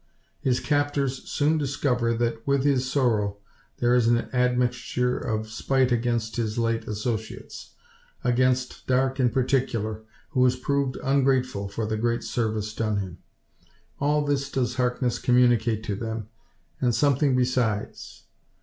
His captors soon discover that, with his sorrow, there is an admixture of spite against his late associates. Against Darke in particular, who has proved ungrateful for the great service done him. All this does Harkness communicate to them, and something besides.